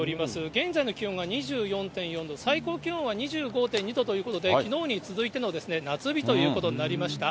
現在の気温が２４．４度、最高気温は２５．２度ということで、きのうに続いての夏日ということになりました。